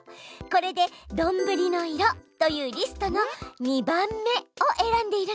これで「どんぶりの色」というリストの２番目をえらんでいるの。